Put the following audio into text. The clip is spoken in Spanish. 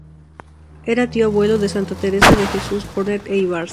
Era tío abuelo de Santa Teresa de Jesús Jornet e Ibars.